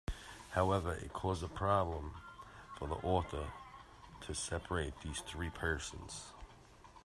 However, it caused a problem for the author to separate these three persons.